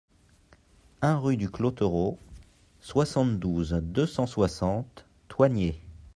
un rue du Clotereau, soixante-douze, deux cent soixante, Thoigné